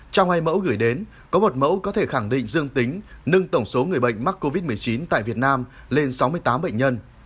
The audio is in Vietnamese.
trong hai mẫu gửi đến có một mẫu có thể khẳng định dương tính nâng tổng số người bệnh mắc covid một mươi chín tại việt nam lên sáu mươi tám bệnh nhân